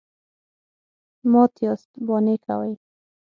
_مات ياست، بانې کوئ.